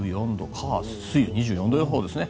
火曜、水曜、２４度予想ですね。